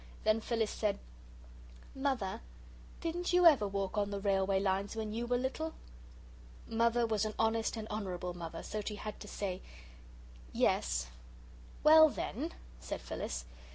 Then Phyllis said, "Mother, didn't YOU ever walk on the railway lines when you were little?" Mother was an honest and honourable Mother, so she had to say, "Yes." "Well, then," said Phyllis.